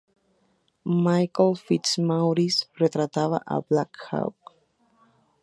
Michael Fitzmaurice retrataba a Blackhawk.